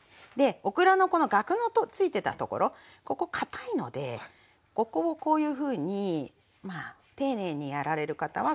オクラのこのガクごとついてたところここかたいのでここをこういうふうに丁寧にやられる方はこうやって削る。